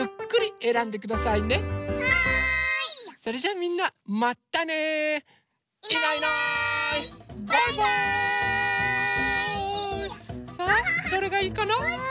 さあどれがいいかな？